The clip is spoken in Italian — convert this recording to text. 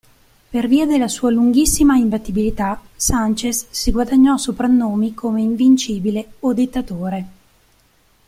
Per via della sua lunghissima imbattibilità, Sánchez si guadagnò soprannomi come "invincibile" o "dittatore".